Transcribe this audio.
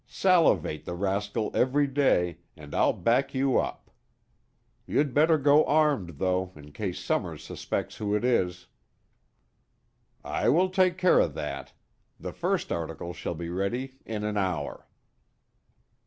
Salivate the rascal every day, and I'll back you up. You'd better go armed, though, in case Summers suspects who it is." "I will take care of that. The first article shall be ready in an hour."